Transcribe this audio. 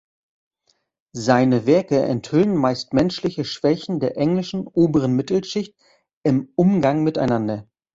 Seine Werke enthüllen meist menschliche Schwächen der englischen oberen Mittelschicht im Umgang miteinander.